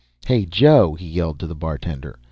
"Hey, Jo," he yelled to the bartender.